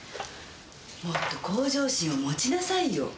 もっと向上心を持ちなさいよ。